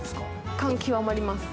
感極まります。